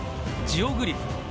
ジオグリフ。